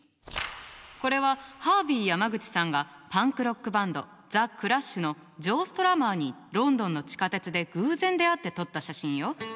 これはハービー・山口さんがパンクロックバンドザ・クラッシュのジョー・ストラマーにロンドンの地下鉄で偶然出会って撮った写真よ。